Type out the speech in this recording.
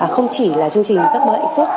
không chỉ là chương trình giấc mơ hạnh phúc